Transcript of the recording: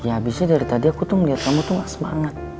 abis itu aku melihat kamu gak semangat